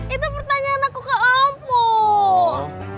itu pertanyaan aku ke om pur